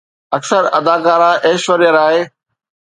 اڪثر اداڪار ايشوريا راءِ